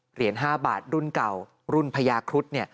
เหรียญ๕บาทรุ่นเก่ารุ่นพญาครุฑ